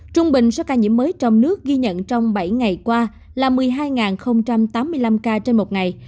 trung bình số ca nhiễm mới trong nước ghi nhận trong bảy ngày qua là một mươi hai tám mươi năm ca trên một ngày